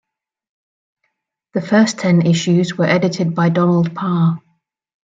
The first ten issues were edited by Donald Parr.